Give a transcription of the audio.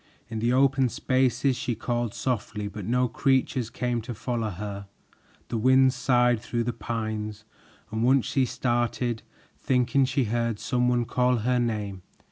In the open spaces she called softly, but no creatures came to follow her. The wind sighed through the pines, and once she started, thinking she heard some one call her name.